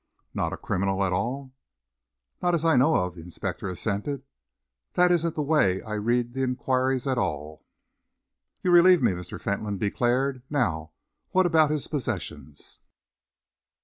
"Not a criminal at all?" "Not as I know of," the inspector assented. "That isn't the way I read the enquiries at all." "You relieve me," Mr. Fentolin declared. "Now what about his possessions?"